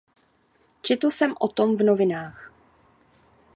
Četl jsem o tom v novinách.